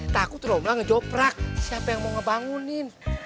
takut roma ngejoprak siapa yang mau ngebangunin